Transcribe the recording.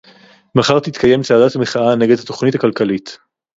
מחר תתקיים צעדת מחאה נגד התוכנית הכלכלית